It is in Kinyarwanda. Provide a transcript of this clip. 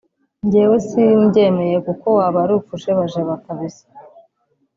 gewe simbyemeye kko waba uri kujebajeba kbsa